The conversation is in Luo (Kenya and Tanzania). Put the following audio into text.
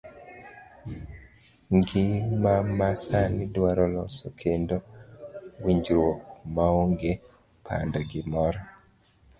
Ngima ma sani dwaro loso kendo winjruok maonge pando gimoro.